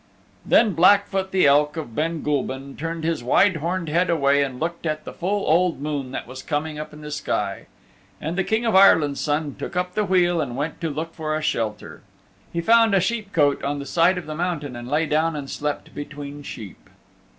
Then Blackfoot the Elk of Ben Gulban turned his wide horned head away and looked at the full old moon that was coming up in the sky. And the King of Ireland's Son took up the wheel and went to look for a shelter. He found a sheep cote on the side of the mountain and lay down and slept between sheep.